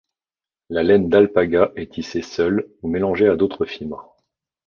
La laine d'alpaga est tissée seule ou mélangée à d'autres fibres.